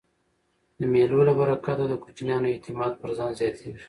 د مېلو له برکته د کوچنیانو اعتماد پر ځان زیاتېږي.